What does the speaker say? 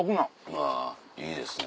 うわいいですね。